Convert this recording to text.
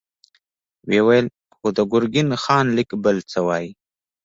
ويې ويل: خو د ګرګين خان ليک بل څه وايي.